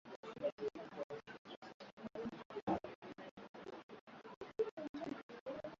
Rascal Skepta Charli Calvin Harris Stormzy Jax Jones Felix Jaehn Nena Kay One Alex